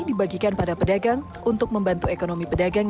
dibagikan pada pedagang untuk membantu ekonomi pedagang